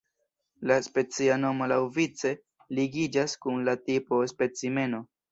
La specia nomo laŭvice ligiĝas kun la tipo-specimeno.